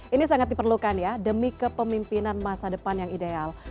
ini sangat diperlukan ya demi kepemimpinan masa depan yang ideal